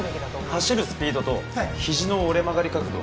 走るスピードと肘の折れ曲がり角度